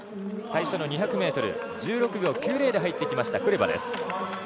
最初の２００ｍ１６秒９０で入ってきましたクレバです。